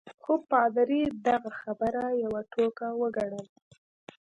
خو پادري دغه خبره یوه ټوکه وګڼل.